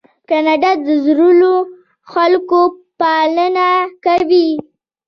کاناډا د زړو خلکو پالنه کوي.